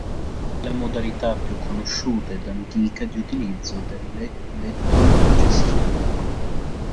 È la modalità più conosciuta ed antica di utilizzo dell'elettroanalgesia.